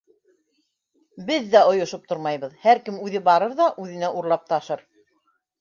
Беҙ ҙә ойошоп тормайбыҙ, һәр кем үҙе барыр ҙа үҙенә урлап ташыр.